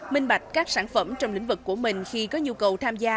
minh bạch các sản phẩm trong lĩnh vực của mình khi có nhu cầu tham gia